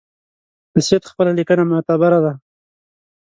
د سید خپله لیکنه معتبره ده.